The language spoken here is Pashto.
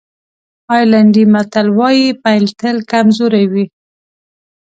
آیرلېنډی متل وایي پيل تل کمزوری وي.